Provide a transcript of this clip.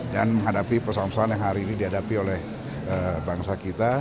dan menghadapi persoalan persoalan yang hari ini dihadapi oleh bangsa kita